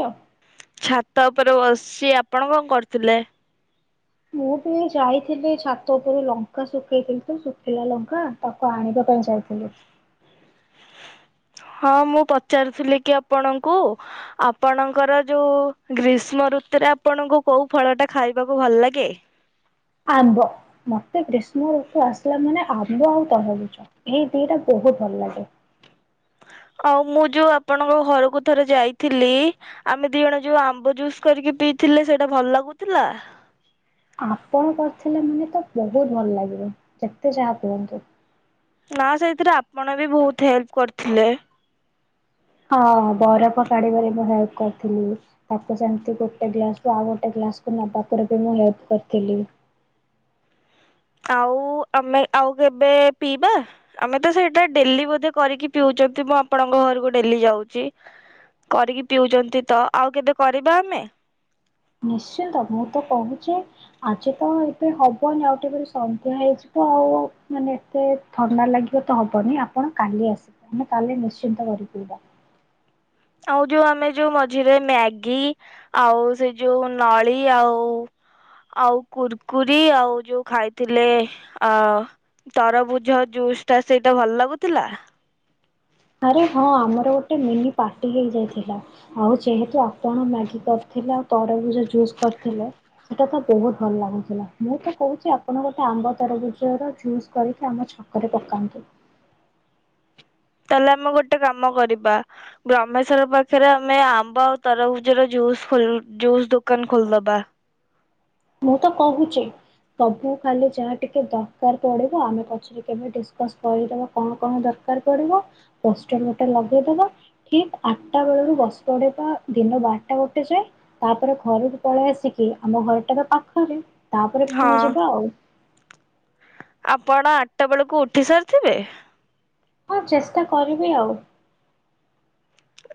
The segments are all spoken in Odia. ହଁ ଛାତ ଉପରେ ବସିଛି ଆପଣ କଣ କରୁଥିଲେ? ମୁଁ ବି ଯାଇଥିଲି ଛାତ ଉପରେ ଲଙ୍କା ଶୁଖେଇଥିଲି ତ ଶୁଖିଲା ଲଙ୍କା ତାକୁ ଆଣିବା ପାଇଁ ଯାଇଥିଲି । ହଁ ମୁଁ ପଚାରୁଥିଲି କି ଆପଣଙ୍କୁ ଆପଣଙ୍କର ଯୋଉ ଗ୍ରୀଷ୍ମ ଋତୁରେ ଆପଣଙ୍କୁ କୋଉ ଫଳ ଟା ଖାଇବାକୁ ଭଲ ଲାଗେ ଆମ୍ୱ ମତେ ଗ୍ରୀଷ୍ମ ଋତୁ ଆସିଲା ମାନେ ଆମ୍ୱ ବହୁତ ଭାବୁଛ ଏଇ ଦିଇଟା ବହୁତ ଭଲ ଲାଗେ। ଆଉ ମୁଁ ଯୋଉ ଆପଣଙ୍କ ଘରକୁ ଥରେ ଯାଇଥିଲି ଆମେ ଦି ଜଣ ଯୋଉ ଆମ୍ବ ଜୁସ୍ କରିକି ପିଇଥିଲେ ସେଇଟା ଭଲ ଲାଗୁଥିଲା? ଆପଣ କରିଥିଲେ ମାନେ ତ ବହୁତ ଭଲ ଲାଗିବ ଯେତେ ଯାହା କୁହନ୍ତୁ । ନା ସେଇଥିରେ ଆପଣ ବି ବହୁତ ହେଲ୍ପ କରିଥିଲେ। ହଁ ବରଫ କାଢିବାରେ ମୁଁ ହେଲ୍ପ କରିଥିଲି ତାକୁ ସେମତି ଗୋଟେ ଗ୍ଲାସ ରୁ ଆଉ ଗୋଟେ ଗ୍ଲାସକୁ ନବା ପରେ ବି ମୁଁ ହେଲ୍ପ କରିଥିଲି। ଆଉ ଆମେ ଆଉ କେବେ ପିଇବା ଆମେ ତ ସେଇଟା ଡେଲି ବୋଧେ କରିକି ପିଉଛନ୍ତି ମୁଁ ଆପଣଙ୍କ ଘରକୁ ଡେଲି ଯାଉଛି କରିକି ପିଉଛନ୍ତି ତ ଆଉ କେବେ କରିବା ଆମେ ନିଶ୍ଚିନ୍ତ ମୁଁ ତ କହୁଛି ଆଜି ତ ଏବେ ହବନି ଆଉ ଟିକେପରେ ସନ୍ଧ୍ୟା ହେଇଯିବ ଆଉ ମାନେ ଏତେ ଥଣ୍ଡା ଲାଗିବ ତ ହବନି ଆପଣ କାଲି ଆସିବେ ଆମେ ମୁଁ କାଲି ନିଶ୍ଚିନ୍ତ କରି ପିଇବା। ଆଉ ଯୋଉ ଆମେ ଯୋଉ ମଝିରେ ମ୍ୟାଗି ଆଉ ସେ ଯୋଉ ନଳି ଆଉ ଆଉ କୁରକୁରି ଆଉ ଯୋଉ ଖାଇଥିଲେ ଅ ତରଭୁଜ ଜୁସ୍ ଟା ସେଇଟା ଭଲ ଲାଗୁଥିଲା? ଆରେ ହଁ ଆମର ଗୋଟେ ମିନି ପାର୍ଟି ହେଇଯାଇଥିଲା ଆଉ ଯେହେତୁ ଆପଣ ମ୍ୟାଗି କରିଥିଲେ ଆଉ ତରଭୁଜ ଜୁସ୍ କରିଥିଲେ ସେଇଟା ତ ବହୁତ ଭଲ ଲାଗୁଥିଲା । ମୁଁ ତ କହୁଛି ଆପଣ ଆପଣ ଗୋଟେ ଆମ୍ବ ତରଭୁଜ ର ଜୁସ୍ କରି ଆମ ଛକରେ ପକାନ୍ତୁ। ତାହେଲେ ଆମେ ଗୋଟେ କାମ କରିବା ବ୍ରମେଶ୍ଵର ପାଖରେ ଆମେ ଆମ୍ବ ଆଉ ତରଭୁଜର ଜ ଜୁସ୍ ଦୋକାନ ଖୋଲିଦବା। ମୁଁ ତ କହୁଛି ସବୁ ଖାଲି ଯାହା ଟିକେ ଦରକାର ପଡିବ ଆମେ ପଛରେ କେବେ ଡିସକସ କରିଦବା କଣ କଣ ଦରକାର ପଡିବ ପୋଷ୍ଟର ଗୋଟେ ଲଗେଇଦବା ଠିକ ଆଠଟା ବେଳରୁ ବସି ପଡିବା ଦିନ ବାରଟା ଗୋଟେ ଯାଏ ତାପରେ ଘରକୁ ପଳେଇ ଆସିକି ଆମ ଘରଟା ତ ପାଖରେ ତାପରେ ହଁ ପୁଣି ଯିବା ଆଉ। ଆପଣ ଆଠଟା ବେଳକୁ ଉଠି ସାରିଥିବେ? ହଁ ଚେଷ୍ଟା କରିବି ଆଉ।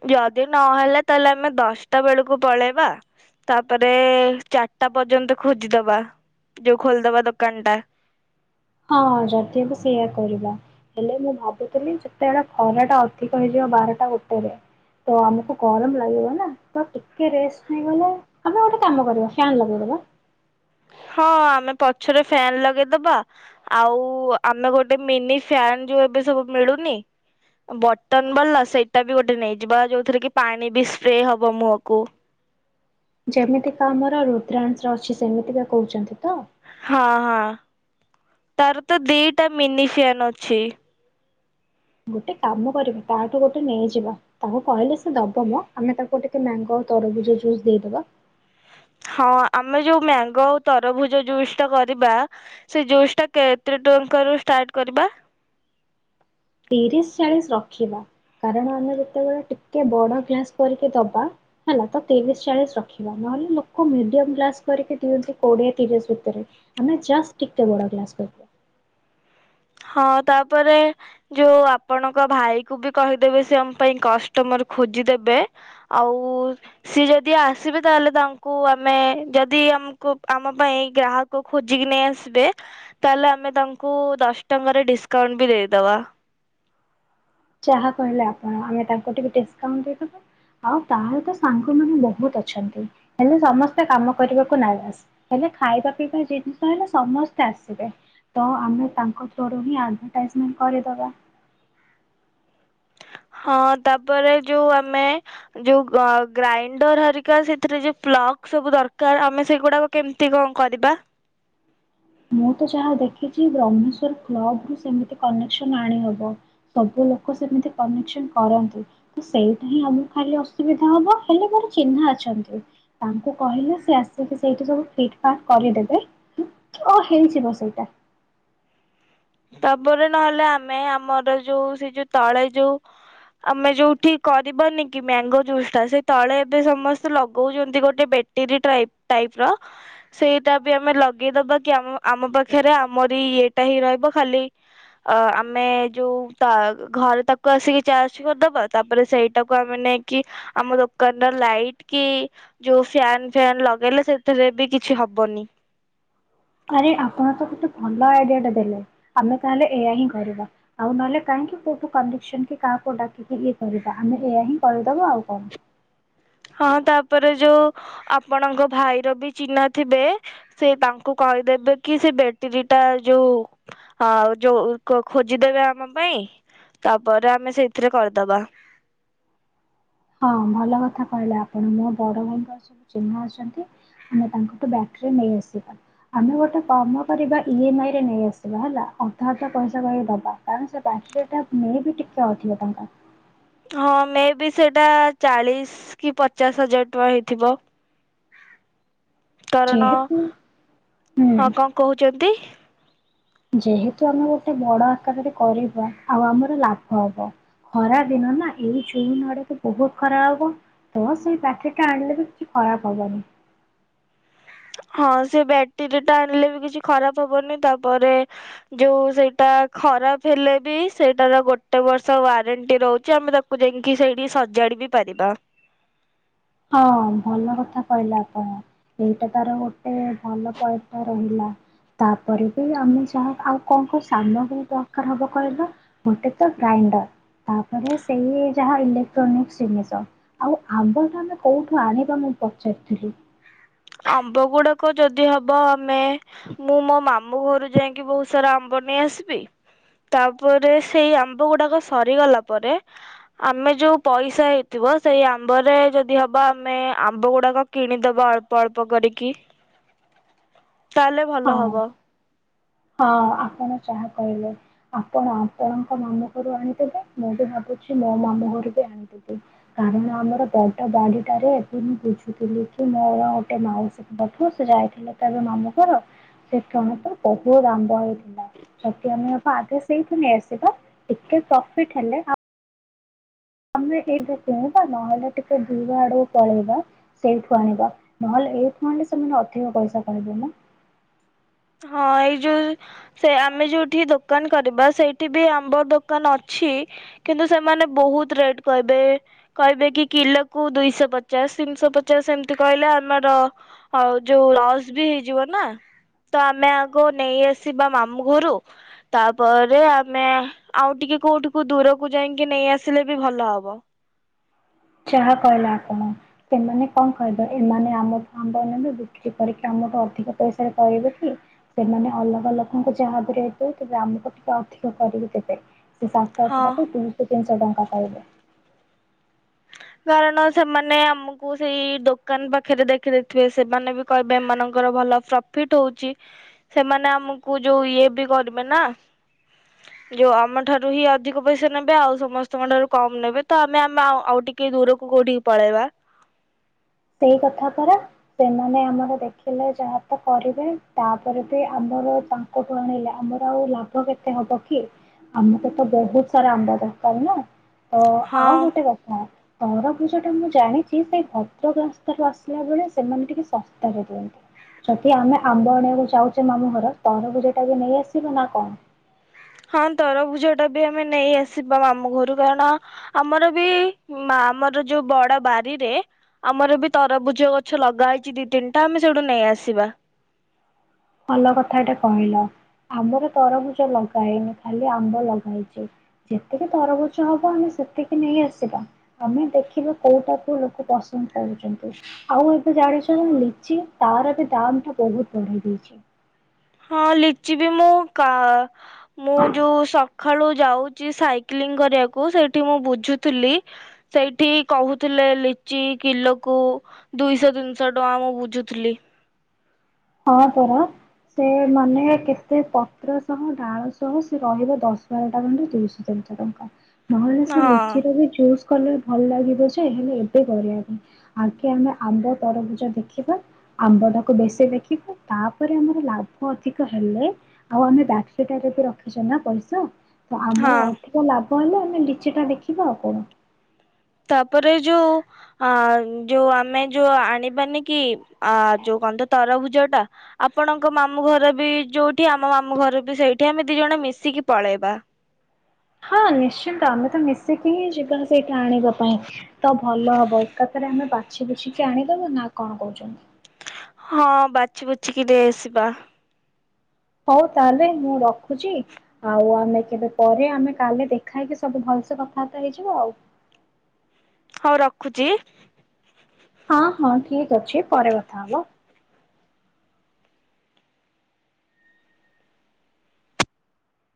ଯଦି ନହେଲେ ତାହେଲେ ଆମେ ଦଶଟା ବେଳକୁ ପଳେଇବା ତାପରେ ଚାରିଟା ପର୍ଯ୍ୟନ୍ତ ଖୋଜିଦବା ଯୋଉ ଖୋଲିଦବା ଦୋକାନ ଟା। ହଁ ଯଦି ହବ ସେଇଆ କରିବା ହେଲେ ମୁଁ ଭାବୁଥିଲି ଯେତେବେଳେ ଖରା ଟା ଅଧିକ ହେଇଯିବ ବାରଟା ଗୋଟେରେ ତ ଆମକୁ ଗରମ ଲାଗିବ ନା ତ ଟିକେ ରେଷ୍ଟ ନେଇଗଲେ ଆମେ ଗୋଟେ କାମ କରିବା ଫ୍ୟାନ ଲଗେଇଦବା। ହଁ ଆମେ ପଛରେ ଫ୍ୟାନ ଲଗେଇଦବା ଆଉ ଆମେ ଗୋଟେ ମିନି ଫ୍ୟାନ ଯୋଉ ଏବେ ସବୁ ମିଳୁନି ବଟନ ବାଲା ସେଇଟା ବି ଗୋଟେ ନେଇଯିବା ଯୋଉଥିରେ କି ପାଣି ବି ସ୍ପ୍ରେ ହବ ମୁହଁକୁ ଯେମିତିକା ଆମର ରୁଦ୍ରାନ୍ସ୍ର ଅଛି ସେମିତିକା କହୁଛନ୍ତି। ତ? ହଁ ହଁ। ତାର ତ ଦିଟା ମିନିସିିଆନ୍ ଅଛି। ଗୋଟେ କାମ କରିବୁ ତାଠୁ ଗୋଟେ ନେଇଯିବା ତାକୁ କହିଲେ ସେ ଦବ ମ ଆମେ ତାକୁ ଟିକେ ମ୍ୟାଙ୍ଗୋ ତରଭୁଜ ଜୁସ୍ ଦେଇଦବା। ହଁ ଆମେ ଯୋଉ ମ୍ୟାଙ୍ଗୋ ଆଉ ତରଭୁଜ ଜୁସ୍ ଟା କରିବା ସେ ଜୁସ୍ ଟା କେତେ ଟଙ୍କାରୁ ଷ୍ଟାର୍ଟ କରିବା। ତିରିଶ୍ ଚାଳିଶ୍ ରଖିବା କାରଣ ଆମେ ଯେତେବେଳେ ଟିକେ ବଡ ଗ୍ଲାସ କରିକି ଦବା ହେଲା ତ ତିରିଶ୍ ଚାଳିଶ୍ ରଖିବା ନହେଲେ ଲୋକ ମିଡିୟମ ଗ୍ଲାସ କରିକି ଦିଅନ୍ତି କୋଡିଏ ତିରିଶ୍ ଭିତରେ ଆମେ ଜଷ୍ଟ ଟିକେ ବଡ ଗ୍ଲାସ କରିବା। ହଁ ତାପରେ ଯୋଉ ଆପଣଙ୍କ ଭାଇ କୁ ବି କହିଦେବେ ସେ ଆମ ପାଇଁ କଷ୍ଟମର ଖୋଜିଦେବେ ଆଉ ସିଏ ଯଦି ଆସିବେ ତାହେଲେ ତାଙ୍କୁ ଆମେ ଯଦି ଆମକୁ ଆମ ପାଇଁ ଗ୍ରାହକ ଖୋଜିକି ନେଇ ଆସିବେ ତାହେଲେ ଆମେ ତାଙ୍କୁ ଦସ୍ ଟଙ୍କାରେ ଡିସ୍କାଉଣ୍ଟ ବି ଦେଇଦବା। ଯାହା କହିଲେ ଆପଣ ଆମେ ତାଙ୍କୁ ଟିକେ ଡିସ୍କାଉଣ୍ଟ ଦେଇଦବା ଆଉ ତାର ତ ସାଙ୍ଗ ମାନେ ବହୁତ ଅଛନ୍ତି ହେଲେ ସମସ୍ତେ କାମ କରିବାକୁ ନାରାଜ ହେଲେ ଖାଇବା ପିଇବା ଜିନିଷ ହେଲେ ସମସ୍ତେ ଆସିବେ ତ ଆମେ ତାଙ୍କ ଥରୋ ରୁ ହିଁ ଆଡଭାଟାଇଯମେଣ୍ଟ କରିଦବା। ହଁ ତାପରେ ଯୋଉ ଆମେ ଯୋଉ ଗ ଗ୍ରାଇଣ୍ଡର ହେରିକା ସେଥିରେ ଯୋଉ ପ୍ଲଗ୍ ସବୁ ଦରକାର ଆମେ ସେଗୁଡାକ କେମତି କଣ କରିବା। ମୁଁ ତ ଯାହା ଦେଖିଛି ବ୍ରହ୍ମେଶ୍ଵର କ୍ଲବ ରୁ ସେମିତି କନେକ୍ସନ ଆଣିହବ ସବୁ ଲୋକ ସେମିତି କନେକ୍ସନ କରନ୍ତି ତ ସେଇଟା ହିଁ ଆମକୁ ଖାଲି ଅସୁବିଧା ହବ ହେଲେ ମୋର ଚିହ୍ନା ଅଛନ୍ତି ତାଙ୍କୁ କହିଲେ ସେ ଆସିକି ସେଇଠି ସବୁ ଫିଟ୍ ଫାଟ୍ କରିଦେବେ। ହେଇଯିବ ସେଇଟା। ତାପରେ ନହେଲେ ଆମେ ଆମର ଯୋଉ ସେ ଯୋଉ ତଳେ ଯୋଉ ଆମେ ଯୋଉଠି କରିବନି କି ମ୍ୟାଙ୍ଗୋ ଜୁସ୍ ଟା ସେ ତଳେ ଏବେ ସମସ୍ତେ ଲଗଉଛନ୍ତି ଗୋଟେ ବେଟିରୀ ଟାଇପ୍ ର ସେଇଟା ବି ଆମେ ଲଗେଇଦବା କି ଆମ ଆମ ପାଖରେ ଆମରି ଇଏଟା ହିଁ ରହିବ। ଖାଲି ଅ ଆମେ ଯୋଉ ତା ଘରେ ତାକୁ ଆସିକି ଚାର୍ଜ କରିଦବା ତାପରେ ସେଇଟାକୁ ଆମେ ନେଇକି ଆମ ଦୋକାନର ଲାଇଟ୍ କି ଯୋଉ ଫ୍ୟାନ ଫ୍ୟାନ ଲଗେଇଲେ ସେଥିରେ ବି କିଛି ହବନି। ଆରେ ଆପଣ ତ ଗୋଟେ ଭଲ ଆଇଡିଆ ଟା ଦେଲେ ଆମେ ତାହେଲେ ଏଇଆ ହିଁ କରିବା ଆଉ ନହେଲେ କାହିଁକି କୋଉଠୁ କନେକ୍ସନ୍ କି କାହାକୁ ଡାକିକି ଇଏ କରିବା ଆମେ ଏଇଆ ହିଁ କରିଦବା ଆଉ କଣ? ହଁ ତାପରେ ଯୋଉ ଆପଣଙ୍କ ଭାଇର ବି ଚିହ୍ନା ଥିବେ ସେ ତାଙ୍କୁ କହିଦେବେ କି ସେ ବେଟିରୀ ଟା ଯୋଉ ଆଉ ଯୋଉ ଖୋଜିଦେବେ ଆମ ପାଇଁ ତାପରେ ଆମେ ସେଇଥିରେ କରିଦବା। ହଁ ଭଲ କଥା କହିଲେ ଆପଣ ମୋ ବଡ଼ ଭାଇଙ୍କର ସବୁ ଚିହ୍ନା ଅଛନ୍ତି ଆମେ ତାଙ୍କଠୁ ବ୍ୟାଟରୀ ନେଇଆସିବା ଆମେ ଗୋଟେ କାମ କରିବା ଇ ଏମ ଆଇରେ ନେଇଆସିବା ହେଲା ଅଧା ଅଧା ପଇସା କହିବାକୁ ଦେବା କାରଣ ସେ ବ୍ୟାଟରୀଟା ମେ ବିି ଟିକେ ଅଧିବ ଟଙ୍କା। ହଁ ମେ ବି ସେଇଟା ଚାଲିଶ୍ କି ପଚାଶ ହଜାର ଟଙ୍କା ହେଇଥିବ। କାରଣ ଯେହେତୁ ହୁଁ ହଁ କଣ କହୁଛନ୍ତି। ଯେହେତୁ ଆମେ ଗୋଟେ ବଡ ଆକାରରେ କରିବା ଆଉ ଆମର ଲାଭ ହବ ଖରା ଦିନ ନା ଏଇ ଜୁନ ଆଡକୁ ବହୁତ ଖରା ହବ ତ ସେଇ ବ୍ୟାଟେରି ଟା ଆଣିଲେ ବି କିଛି ଖରାପ ହବନି। ହଁ ସେ ବ୍ୟାଟେରୀ ଟା ଆଣିଲେ ବି କିଛି ଖରାପ ହବନି ତାପରେ ଯୋଉ ସେଇଟା ଖରାପ ହେଲେ ବି ସେଇଟାର ଗୋଟେ ବର୍ଷ ୱାରେଣ୍ଟି ରହୁଛି ଆମେ ତାକୁ ଯାଇଁକି ସେଇଠି ସଜାଡି ବି ପାରିବା। ହଁ ହଁ ଭଲ କଥା କହିଲେ ଆପଣ ଏଇଟା ତାର ଗୋଟେ ଭଲ ପଇସା ରହିଲା ତାପରେ ବି ଆମେ ଯାହା ଆଉ କଣ କଣ ସାମଗ୍ରୀ ଦରକାର ହବ କହିଲ ଗୋଟେ ତ ଗ୍ରାଇଣ୍ଡର ତାପରେ ସେଇ ଯାହା ଇଲେକ୍ଟ୍ରୋନିକ୍ସ ଜିନିଷ ଆଉ ଆଗକୁ। କୋଉଠୁ ଆଣିବା ମୁଁ ପଚାରୁଥିଲି। ଆମ୍ବ ଗୁଡାକ ଯଦି ହବ ଆମେ ମୁଁ ମୋ ମାମୁଁ ଘରୁ ଯାଇକି ବହୁତ ସାରା ଆମ୍ବ ନେଇଆସିବି ତାପରେ ସେଇ ଆମ୍ବ ଗୁଡାକ ସରିଗଲା ପରେ ଆମେ ଯୋଉ ପଇସା ହେଇଥିବ ସେଇ ଆମ୍ବରେ ଯଦି ହବା ଆମେ ଆମ୍ବ ଗୁଡାକ କିଣିଦବା। ଅଳ୍ପ ଅଳ୍ପ କରିକି। ତାହେଲେ ଭଲ ହଁ ହବ। ହଁ ଆପଣ ଯହା କହିଲେ ଆପଣ ଆପଣଙ୍କ ମାମୁଁ ଘରୁ ଆଣିଦେବେ ମୁଁ ବି ଭାବୁଛି ମୋ ମାମୁଁ ଘରୁ ବି ଆଣିଦେବି କାରଣ ଆମର ବଡ ବାଡିଟାରେ ଏବେ ମୁଁ ବୁଝୁଥିଲି କି ମୋର ଗୋଟେ ମାଉସୀଙ୍କ ଠୁ ସେ ଯାଇଥିଲେ ତ ଏବେ ମାମୁଁ ଘର କିଛି କ୍ଷଣ ପାଇଁ ବହୁତ ଆମ୍ୱ ହେଇଥିଲା ଯଦି ହବ ଆମେ ଆଗେ ସେଇଠୁ ନେଇ ଆସିବା ଟିକେ ପ୍ରଫିଟ ହେଲେ। ଆମେ ଏଇଠୁ କିଣିବା ନହେଲେ ଟିକେ ଦୂର ଆଡକୁ ପଳେଇବା ସେଇଠୁ ଆଣିବା ନହେଲେ ଏଇଠୁ ଆଣିଲେ ସେମାନେ ଅଧିକ ପଇସା କିହିବେ ନାଁ। ହଁ ଏଇ ଯୋଉ ସେ ଆମେ ଯୋଉଠି ଦୋକାନ କରିବା ସେଇଠି ବି ଆମ୍ବ ଦୋକାନ ଅଛି କିନ୍ତୁ ସେମାନେ ବହୁତ ରେଟ୍ କହିବେ କହିବେ କି କିଲୋକୁ ଦୁଇଶହ ପଚାଶ ତିନିଶହ ପଚାଶ ଏମିତି କହିଲେ ଆମର ଯୋଉ ଲସ୍ ବି ହେଇଯିବ ନା। ତ ଆମେ ଆଗ ନେଇ ଆସିବା ମାମୁଁ ଘରୁ ତାପରେ ଆମେ ଆଉ ଟିକେ କୋଉଠିକୁ ଦୂରକୁ ଯାଇକି ନେଇ ଆସିଲେ ବି ଭଲ ହବ। ଯାହା କହିଲେ ଆପଣ ସେମାନେ କଣ କହିବେ ଏମାନେ ଆମଠୁ ଆମ୍ବ ନେବେ ବିକ୍ରି କରିକି ଆମଠୁ ଅଧିକ ପଇସାରେ କରି ବିକି ସେମାନେ ଅଲଗା ଲୋକଙ୍କୁ ଯାହା ବି ରେଟ୍ ଦୋଉଥିବେ ଆମକୁ ଟିକେ ଅଧିକ କରିକି ଦେବେ। ସେ ସାତ ଅଖି ହଁ। ଟାକୁୁ ତିନିଶହ ତିିନିଶହ ଟଙ୍କା। କଟାଇଲେ। କାରଣ ସେମାନେ ଆମକୁ ସେଇ ଦୋକାନ ପାଖରେ ଦେଖିଦେଇଥିବେ ସେମାନେ ବି କହିବେ ଏମାନଙ୍କର ଭଲ ପ୍ରଫିଟ୍ ହଉଛି ସେମାନେ ଆମକୁ ଯୋଉ ଇଏ ବି କରିବେ ନା ଯୋଉ ଆମଠାରୁ ହିଁ ଅଧିକ ପଇସା ନେବେ ଆଉ ସମସ୍ତଙ୍କ ଠାରୁ କମ ନେବେ ତ ଆମେ ଆମ। ଆଉ ଟିକେ ଦୂରକୁ କୋଉଠିକି ପଳେଇବା। ସେଇ କଥା ପାରା ସେମାନେ ଆମର ଦେଖିଲେ ଯାହା ତ କରିବେ ତାପରେ ବି ଆମର ତାଙ୍କଠୁ ଆଣିଲେ ଆମର ଆଉ ଲାଭ କେତେ ହବ କି ଆମକୁ ତ ବହୁତ ସାରା ଆମ୍ବ ଦରକାର ନା। ତ ହଁ ଆଉ ଗୋଟେ କଥା ତରଭୁଜ ଟା ମୁଁ ଜାଣିଛି ସେଇ ରାସ୍ତାରୁ ଆସିଲା ବେଳେ ସେମାନେ ଟିକେ ଶସ୍ତାରେ ଦିଅନ୍ତି ଯଦି ଆମେ ଆମ୍ବ ଆଣିବାକୁ ଯାଉଛେ ମାମୁଁ ଘର ତରଭୁଜ ଟା ବି ନେଇ ଆସିବ ନା କଣ? ହଁ ତରଭୁଜ ଟା ବି ଆମେ ନେଇ ଆସିବା ମାମୁଁ ଘରୁ କାରଣ ଆମର ବି ଆମର ଯୋଉ ବଡ ବାରିରେ ଆମର ବି ତରଭୁଜ ଗଛ ଲଗା ହେଇଛି ଦିଇ ତିନିଟା ଆମେ ସେଇଠୁ ନେଇ ଆସିବା। ଭଲ କଥାଟେ କହିଲ ଆମର ତରଭୁଜ ଲଗା ହେଇନି ଖାଲି ଆମ୍ବ ଲଗା ହେଇଛି ଯେତିକି ତରଭୁଜ ହବ ଆମେ ସେତିକି ନେଇ ଆସିବା ଆମେ ଦେଖିବା କୋଉଟା କୁ ଲୋକ ପସନ୍ଦ କରୁଛନ୍ତି ଆଉ ଏବେ ଜାଣିଛ ଯେ ଲିଚି ତାର ବି ଦାମ ଟା ବହୁତ ବଢି [unintelligible] ହଁ ଲିଚି ବି ମୁଁ କା ମୁଁ ଯୋଉ ସଖାଳୁ ଯାଉଛି ସାଇକେଲିଂ କରିବାକୁ ସେଇଠି ମୁଁ ବୁଝୁଥିଲି ସେଇଠି କହୁଥିଲେ ଲିଚି କିଲୋକୁ ଦିଇଶହ ତିନିଶହ ଟଙ୍କା ମୁଁ ବୁଝୁଥିଲି। ହଁ ପରା ସେ ମାନେ କେତେ ପତ୍ର ସହ ଡାଳ ସହ ସେ ରହିବ ଦଶ ବାରଟା ଖଣ୍ଡେ ତିନିଶହ ତିନିଶହ ଟଙ୍କା ନହେଲେ ସେ ହଁ ଲିଚିର ବି ଜୁସ୍ କଲେ ଭଲ ଲାଗିବ ଯେ ।ହେଲେ ଏବେ କରିବା ଆଗେ ଆମେ ଆମ୍ବ ତରଭୁଜା ଦେଖିବା ଆମ୍ବ ଟାକୁ ବେଶୀ ଦେଖ ତାପରେ ଆମର ଲାଭ ଅଧିକ ହେଲେ ଆଉ ଆମେ ବାକ୍ସଟା ରେ ବି ରଖିଛ ନା ପଇସା ତ ହଁ ଆମର ଅଧିକ ଲାଭ କହିଲ ଆମେ ଲିଚଟା ଦେଖିବା ଆଉ କଣ? ତାପରେ ଯୋଉ ଅ ଯୋଉ ଆମେ ଯୋଉ ଆଣିବାନି କି ଯୋଉ କହନ୍ତି ତରଭୁଜ ଟା ଆପଣଙ୍କ ମାମୁଁ ଘର ବି ଯୋଉଠି ଆମ ମାମୁଁ ଘର ବି ସେଇଠି ଆମେ ଦି ଜଣ ମିଶିକି ପଳେଇବା। ହଁ ନିଶ୍ଚିନ୍ତ ଆମେ ତ ମିଶିକି ହିଁ ଯିବା ସେଇଠା ଆଣିବା ପାଇଁ ତ ଭଲ ହବ ଏକାଥାରେ ଆମେ ବାଛି ବୁଛିକି ଆଣିଦବା ନା କଣ କହୁଛନ୍ତି। ହଁ ବାଛି ବୁଛିିକି ଦେଇ ଆସିବା। ହଉ ତାହେଲେ ମୁଁ ରଖୁଛି ଆଉ ଆମେ କେବେ ପରେ ଆମେ କାଲି ଦେଖା ହେଇକି ସବୁ ଭଲସେ କଥାବାର୍ତ୍ତା ହେଇଯିବ ଆଉ। ହଉ ରଖୁଛି। ହଁ ହଁ ଠିକ ଅଛି ପରେ କଥା ହବା।